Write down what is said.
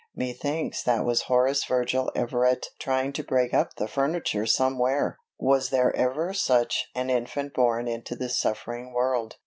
"Methinks that was Horace Virgil Everett trying to break up the furniture somewhere! Was there ever such an infant born into this suffering world?